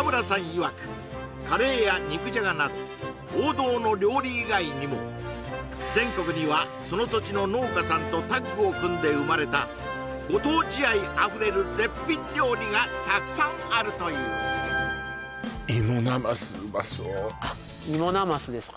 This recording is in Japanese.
いわくカレーや肉じゃがなど王道の料理以外にも全国にはその土地の農家さんとタッグを組んで生まれたご当地愛あふれる絶品料理がたくさんあるというあっいもなますですか